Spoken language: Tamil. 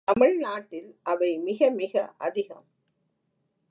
தமிழ்நாட்டில் அவை மிக மிக அதிகம்.